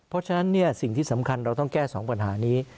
เพราะฉะนั้นสิ่งที่สำคัญเราต้องแก้๒ปัญหานี้